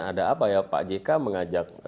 ada apa ya pak jk mengajak